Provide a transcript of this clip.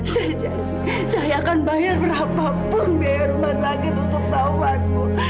saya janji saya akan bayar berapa pun biaya rumah sakit untuk taufan bu